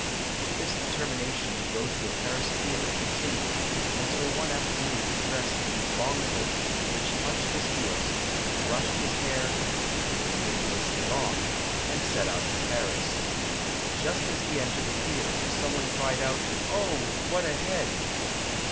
This determination to go to a Paris theatre con tinued, until one afternoon he dressed in his long coat, which touched his heels, brushed his hair, which was ridiculously long, and set out for Paris. Just as he entered the theatre, some one cried out, "Oh, what a head!"